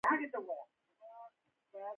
د لوړو زده کړو دروازې هم د ځوانانو پر مخ تړلي دي.